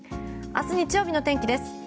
明日日曜日の天気です。